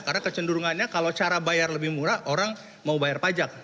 karena kecenderungannya kalau cara bayar lebih murah orang mau bayar pajak